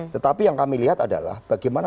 tetapi yang kami lihat adalah bagaimana